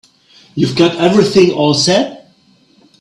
You've got everything all set?